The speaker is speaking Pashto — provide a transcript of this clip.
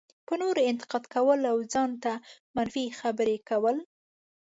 په نورو انتقاد کول او ځان ته منفي خبرې کول.